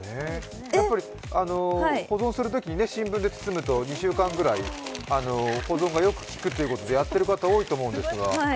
やっぱり保存するときに新聞紙で包むと２週間ぐらい保存がよくきくということでやっている方多いと思うんですが。